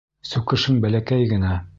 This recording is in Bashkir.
Сүкешең бәләкәй генә.